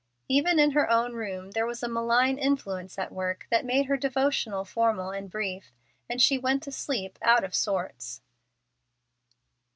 Even in her own room there was a malign influence at work that made her devotion formal and brief, and she went to sleep, "out of sorts."